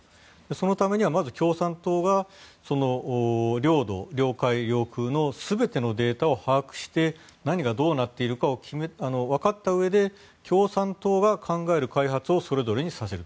そのためにはまず共産党が領土・領海・領空の全てのデータを把握して何がどうなっているかをわかったうえで共産党が考える開発をそれぞれにさせる。